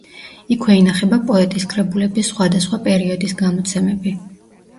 იქვე ინახება პოეტის კრებულების სხვადასხვა პერიოდის გამოცემები.